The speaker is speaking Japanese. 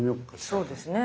そうですね。